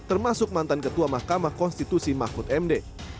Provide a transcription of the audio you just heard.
termasuk mantan ketua mahkamah konstitusi mahfud md